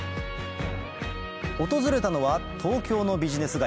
訪れたのは東京のビジネス街